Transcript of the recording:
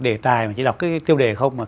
đề tài mà chỉ đọc cái tiêu đề không mà